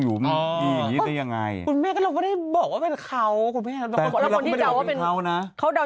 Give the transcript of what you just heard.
คุณเมกก็เริ่มมันได้บอกว่าเป็นเขา